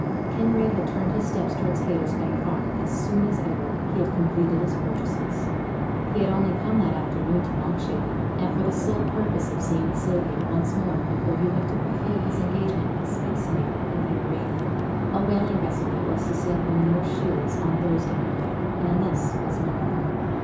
Kinraid had turned his steps towards Haytersbank Farm as soon as ever he had completed his purchases. He had only come that afternoon to Monkshaven, and for the sole purpose of seeing Sylvia once more before he went to fulfil his engagement as specksioneer in the Urania, a whaling vessel that was to sail from North Shields on Thursday morning, and this was Monday.